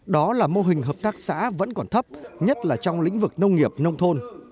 đó là mô hình hợp tác xã vẫn còn thấp nhất là trong lĩnh vực nông nghiệp nông thôn